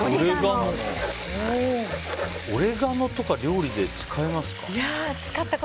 オレガノとか料理で使いますか？